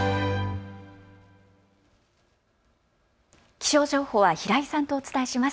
気象情報は平井さんとお伝えします。